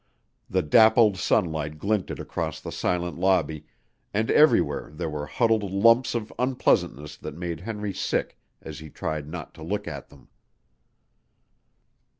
The dappled sunlight glinted across the silent lobby, and everywhere there were huddled lumps of unpleasantness that made Henry sick as he tried not to look at them.